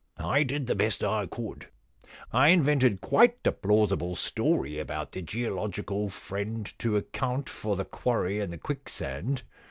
I did the best I could. I invented quite a plausible story about geological friend to account for the quarry and the quicksand.